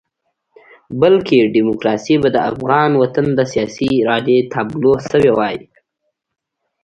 بلکې ډیموکراسي به د افغان وطن د سیاسي ارادې تابلو شوې وای.